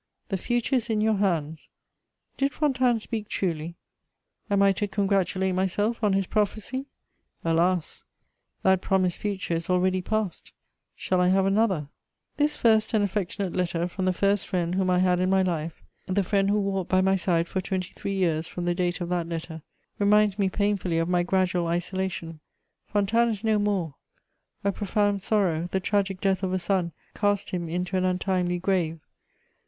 "The future is in your hands": did Fontanes speak truly? Am I to congratulate myself on his prophecy? Alas! That promised future is already past: shall I have another? * [Sidenote: Death of Fontanes.] This first and affectionate letter from the first friend whom I had in my life, the friend who walked by my side for twenty three years from the date of that letter, reminds me painfully of my gradual isolation. Fontanes is no more; a profound sorrow, the tragic death of a son, cast him into an untimely grave.